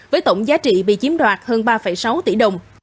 với tổng giá trị bị chiếm đoạt hơn ba sáu tỷ đồng